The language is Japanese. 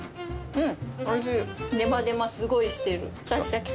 うん！